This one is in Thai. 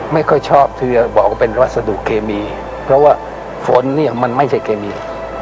ไม่ค่อยชอบที่จะบอกว่าเป็นวัสดุเคมีเพราะว่าฝนเนี่ยมันไม่ใช่เคมี